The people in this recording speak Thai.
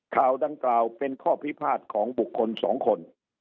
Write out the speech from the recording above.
ข่าวดังกล่าวเป็นข้อพิพาทของบุคคลสองคน